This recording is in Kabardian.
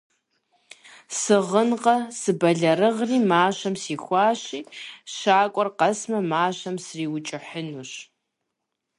- Сыгъынкъэ: сыбэлэрыгъри мащэм сихуащи, щакӏуэр къэсмэ, мащэм сриукӏыхьынущ.